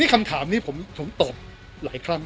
คำถามนี้ผมตอบหลายครั้ง